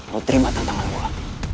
lo terima tantangan gue